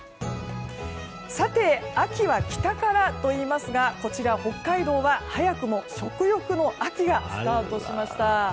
秋は、北からといいますがこちら北海道は早くも食欲の秋がスタートしました。